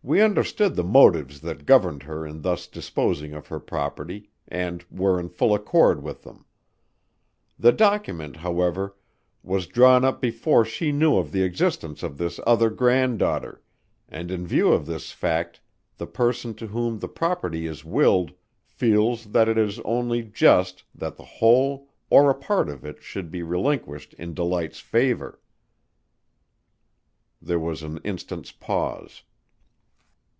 We understood the motives that governed her in thus disposing of her property and were in full accord with them. The document, however, was drawn up before she knew of the existence of this other granddaughter, and in view of this fact, the person to whom the property is willed feels that it is only just that the whole or a part of it should be relinquished in Delight's favor." There was an instant's pause.